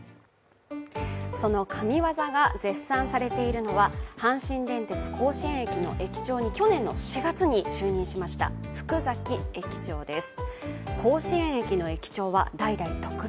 その神業が絶賛されているのは阪神電鉄甲子園駅の駅長に去年の４月に就任しました福崎駅長です。